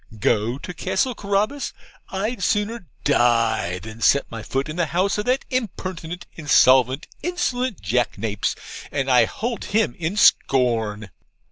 Go to Castle Carabas! I'd sooner die than set my foot in the house of that impertinent, insolvent, insolent jackanapes and I hold him in scorn!'